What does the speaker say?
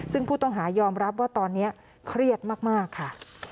ซึ่งผู้ต้องหายอมรับว่าตอนนี้เครียดมากค่ะ